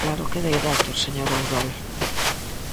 Claro que dei datos, señor Ourol.